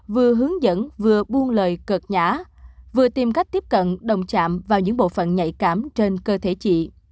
vừa hướng dẫn vừa buôn lời cợt nhã vừa tìm cách tiếp cận đồng chạm vào những bộ phận nhạy cảm trên cơ thể chị